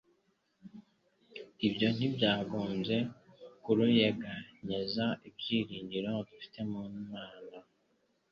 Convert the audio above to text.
ibyo ntibyagombye kuruyeganyeza ibyiringiro dufite mu Mana,